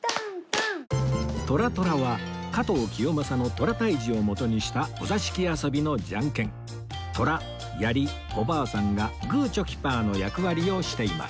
虎々は加藤清正の虎退治を元にしたお座敷遊びのじゃんけん虎やりおばあさんがグーチョキパーの役割をしています